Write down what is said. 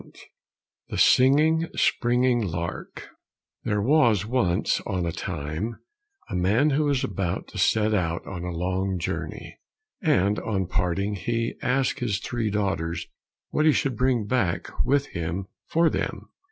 88 The Singing, Springing Lark There was once on a time a man who was about to set out on a long journey, and on parting he asked his three daughters what he should bring back with him for them.